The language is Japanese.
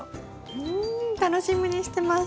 うん楽しみにしてます。